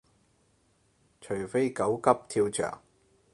除非狗急跳墻